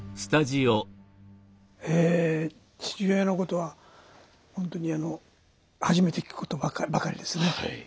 え父親のことは本当に初めて聞くことばかりですね。